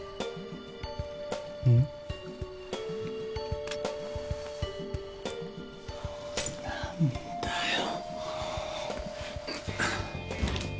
うん？何だよ。